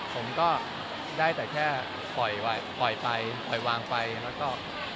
ผมก็ได้แต่แค่ปล่อยไปปล่อยวางไปแล้วก็